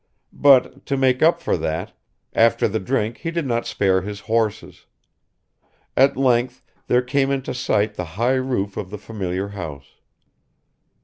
but, to make up for that, after the drink he did not spare his horses. At length there came into sight the high roof of the familiar house